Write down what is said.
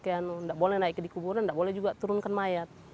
tidak boleh naik di kuburan tidak boleh juga turunkan mayat